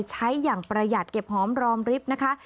ใช้อย่างประหยัดเก็บหอมรอมริบนะคะ